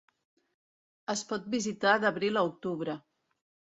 Es pot visitar d'abril a octubre.